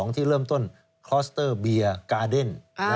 ที่เริ่มต้นคลอสเตอร์เบียร์กาเดน